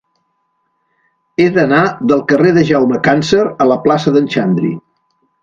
He d'anar del carrer de Jaume Càncer a la plaça d'en Xandri.